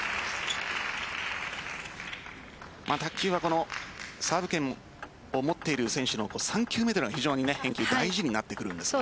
卓球はサーブ権を持っている選手の３球目という返球大事になってきます。